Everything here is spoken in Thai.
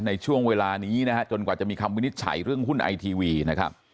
ในช่วงเวลานี้นะฮะจนกว่าจะมีคำวินิจฉัยเรื่องหุ้นไอทีวีนะครับ